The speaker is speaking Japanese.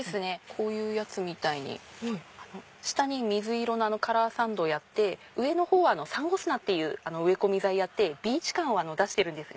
こういうやつみたいに下に水色のカラーサンドをやって上の方はサンゴ砂っていう植え込み材やってビーチ感を出してるんです。